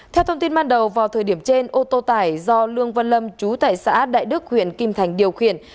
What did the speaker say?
theo thông tin ban đầu vào thời điểm trên ô tô tải do lương văn lâm chú tại xã đại đức huyện kim thành điều khiển